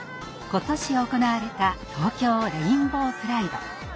今年行われた東京レインボープライド。